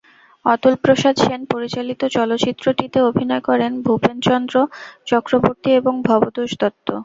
অতুলপ্রসাদ সেন পরিচালিত চলচ্চিত্রটিতে অভিনয় করেন ভূপেন্দ্রচন্দ্র চক্রবর্তী এবং ভবতোষ দত্ত।